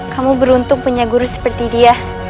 kamu beruntung punya guru seperti dia